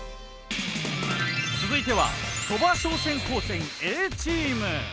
続いては鳥羽商船高専Ａチーム。